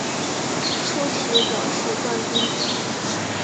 粗体表示冠军歌